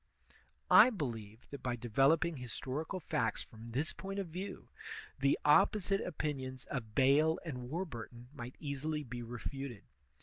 I believe that by developing historical facts from this point of view, the opposite opinions of Bayle and War burton xnight easily be refuted.